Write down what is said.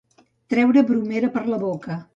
Treure bromera per la boca.